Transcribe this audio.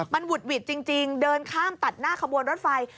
มันหุดหวิดจริงเดินข้ามตัดหน้าขบวนรถไฟ